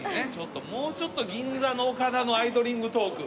もうちょっと銀座の岡田のアイドリングトーク。